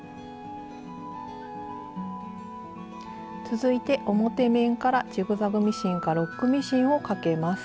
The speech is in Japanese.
続いて表面からジグザグミシンかロックミシンをかけます。